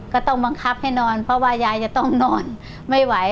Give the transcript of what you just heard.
ก็ต้องบังคับให้นอนเพราะว่ายายจะต้องนอนไม่ไหว